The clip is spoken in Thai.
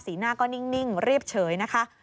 หน้าก็นิ่งเรียบเฉยนะคะ